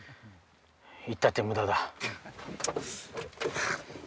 行ったって無駄だ。